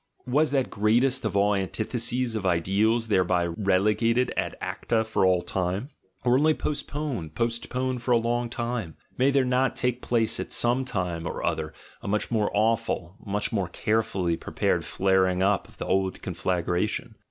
Was that greatest of all an titheses of ideals thereby relegated ad acta for all time? Or only postponed, postponed for a long time? May there not take place at some time or other a much more awful, much more carefully prepared flaring up of the old conflagration?